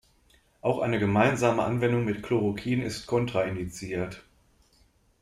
Auch eine gemeinsame Anwendung mit Chloroquin ist kontraindiziert.